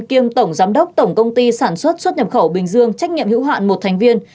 kiêm tổng giám đốc tổng công ty sản xuất xuất nhập khẩu bình dương trách nhiệm hữu hạn một thành viên